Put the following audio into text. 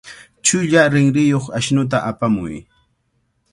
Chulla rinriyuq ashnuta apamuy.